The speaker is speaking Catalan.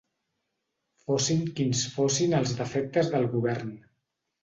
Fossin quins fossin els defectes del Govern